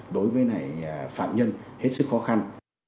đối với phạm nhân hết sức khó khăn